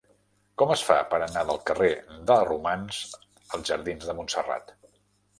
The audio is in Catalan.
Com es fa per anar del carrer de Romans als jardins de Montserrat?